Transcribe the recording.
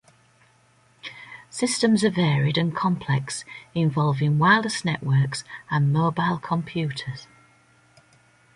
Systems are varied and complex, involving wireless networks and mobile computers.